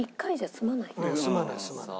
済まない済まない。